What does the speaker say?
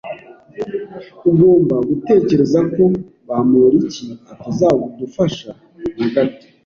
Ugomba gutekereza ko Bamoriki atazadufasha na gato.